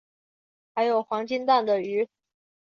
还有黄金蛋的鱼